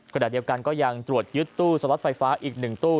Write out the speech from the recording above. ขณะเดียวกันก็ยังตรวจยึดตู้สล็อตไฟฟ้าอีก๑ตู้